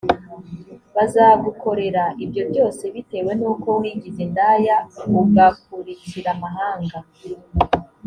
bazagukorera ibyo byose bitewe n uko wigize indaya ugakurikira amahanga